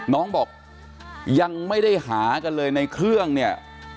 น้องบอกยังไม่ได้หากันเลยในเครื่องเนี่ย